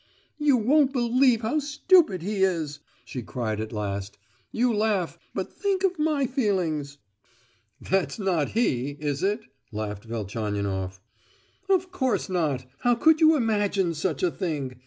"You wouldn't believe how stupid he is!" she cried at last. "You laugh, but think of my feelings!" "That's not he, is it?" laughed Velchaninoff. "Of course not. How could you imagine such a thing!